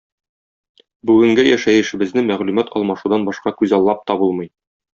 Бүгенге яшәешебезне мәгълүмат алмашудан башка күзаллап та булмый.